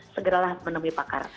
segeralah menemui pakar